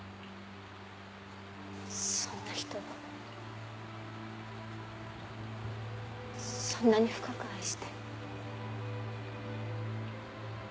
そんな人をそんなに深く愛して。